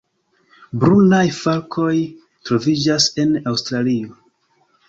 Brunaj falkoj troviĝas en Aŭstralio.